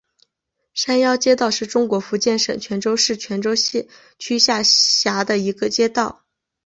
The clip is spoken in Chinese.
山腰街道是中国福建省泉州市泉港区下辖的一个街道。